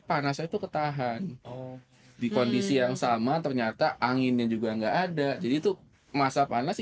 panas itu ketahan di kondisi yang sama ternyata anginnya juga enggak ada jadi itu masa panas